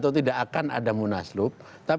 di satu pihak mengatakan tidak mungkin ada kegiatan